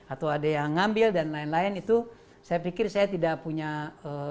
atau ada yang ngambil dan lain lain itu saya pikir saya tidak punya ee